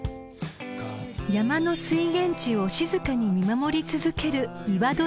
［山の水源地を静かに見守り続ける］